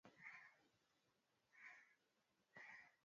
Ukristo kwa kutangaza kasoro za waumini na viongozi wao pamoja na